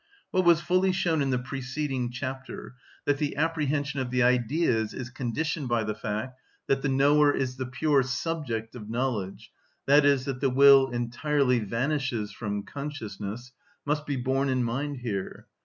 What was fully shown in the preceding chapter, that the apprehension of the Ideas is conditioned by the fact that the knower is the pure subject of knowledge, i.e., that the will entirely vanishes from consciousness, must be borne in mind here.